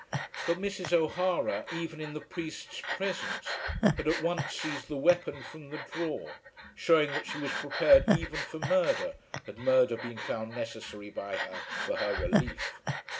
But Mrs. O'Hara, even in the priest's presence, had at once seized the weapon from the drawer, showing that she was prepared even for murder, had murder been found necessary by her for her relief.